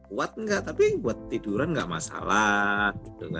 kuat enggak tapi buat tiduran nggak masalah